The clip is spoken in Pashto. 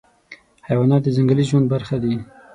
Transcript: حیوانات د ځنګلي ژوند برخه دي.